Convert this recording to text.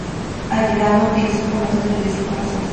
Aguinaldo utilizó el convento de la iglesia como su Oficina.